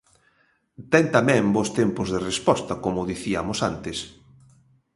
Ten tamén bos tempos de resposta, como diciamos antes.